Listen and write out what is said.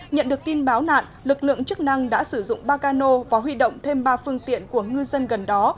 nhận được tin báo nạn lực lượng chức năng đã sử dụng ba cano và huy động thêm ba phương tiện của ngư dân gần đó